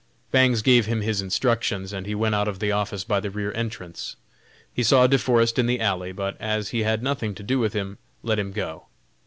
Bangs gave him his instructions and he went out of the office by the rear entrance. He saw De Forest in the alley, but as he had nothing to do with him, let him go.